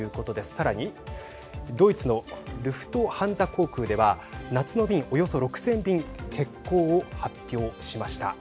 さらにドイツのルフトハンザ航空では夏の便、およそ６０００便欠航を発表しました。